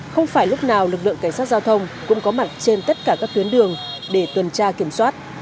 không phải lúc nào lực lượng cảnh sát giao thông cũng có mặt trên tất cả các tuyến đường để tuần tra kiểm soát